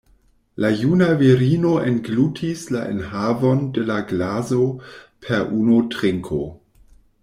La juna virino englutis la enhavon de la glaso per unu trinko.